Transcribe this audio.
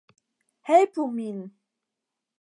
Helpu min!